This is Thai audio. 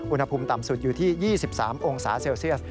อุณหภูมิต่ำสุดอยู่ที่๒๓องศาเซลเซียส